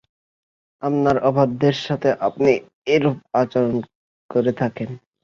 আপনার অবাধ্যের সাথে আপনি এরূপ আচরণই করে থাকেন।